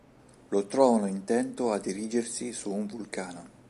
Lo trovano intento a dirigersi su un vulcano.